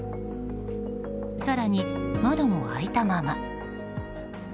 更に、窓も開いたまま。